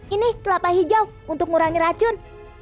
ini kelapa hijau untuk mengurangi racun